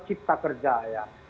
cipta kerja ya